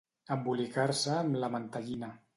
Embolicar-se amb la mantellina.